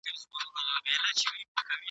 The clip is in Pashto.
په ماشومو یتیمانو به واسکټ نه سي منلای !.